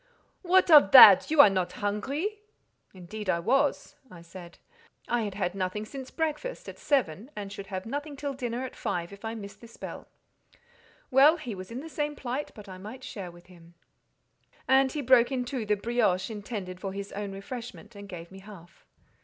"What of that? You are not hungry?" "Indeed I was," I said; "I had had nothing since breakfast, at seven, and should have nothing till dinner, at five, if I missed this bell." "Well, he was in the same plight, but I might share with him." And he broke in two the "brioche" intended for his own refreshment, and gave me half.